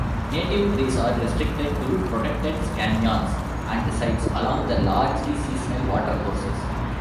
Native trees are restricted to protected canyons and sites along the largely seasonal watercourses.